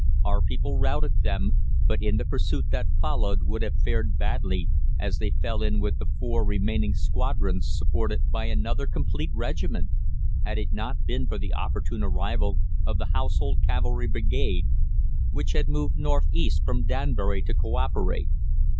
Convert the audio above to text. Our people routed them, but in the pursuit that followed would have fared badly, as they fell in with the four remaining squadrons supported by another complete regiment, had it not been for the opportune arrival of the Household Cavalry Brigade, which had moved north east from Danbury to co operate.